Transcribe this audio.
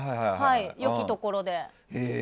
良きところで。